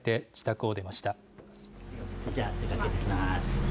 じゃあ、出かけてきます。